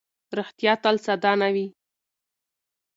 ریښتیا تل ساده نه وي.